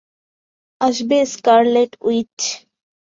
আসবে Scarlet which.